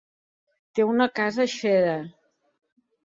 Té una casa a Xera.